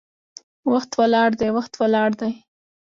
وخت ولاړ دی، وخت ولاړ دی